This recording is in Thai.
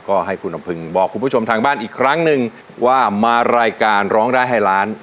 ก็ให้คุณอำพึงบอกคุณผู้ชมทางบ้านอีกครั้งหนึ่งว่ามารายการร้องได้ให้ล้าน